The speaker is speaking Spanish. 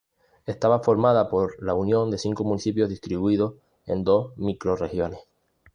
Estaba formada por la unión de cinco municipios distribuidos en dos microrregiones.